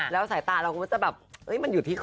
แล้วสายตาเราก็จะแบบมันอยู่ที่คอ